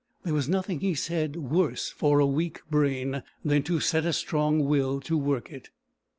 There was nothing, he said, worse for a weak brain, than to set a strong will to work it.